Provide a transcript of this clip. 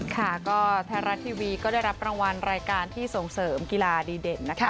ค่ะก็ไทยรัฐทีวีก็ได้รับรางวัลรายการที่ส่งเสริมกีฬาดีเด่นนะคะ